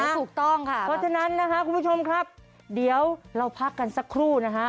ถูกต้องค่ะเพราะฉะนั้นนะคะคุณผู้ชมครับเดี๋ยวเราพักกันสักครู่นะฮะ